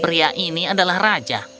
pria ini adalah raja